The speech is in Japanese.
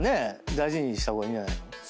大事にした方がいいんじゃないの？